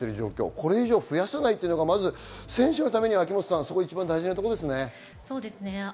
これ以上増やさないのが選手のために大事なことですね。